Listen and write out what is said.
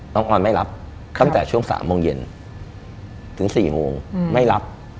ออนไม่รับตั้งแต่ช่วง๓โมงเย็นถึง๔โมงไม่รับ